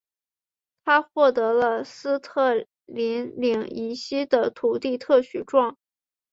他获得了斯特林岭以西的土地特许状。